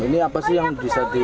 ini apa sih yang bisa di